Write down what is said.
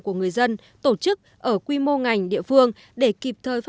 của người dân tổ chức ở quy mô ngành địa phương để kịp thời phát